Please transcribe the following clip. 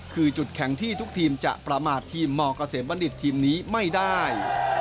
คือจุดแข่งที่ทุกทีมจะประมาททีมมกาเสมบัณฑิตจะไม่ได้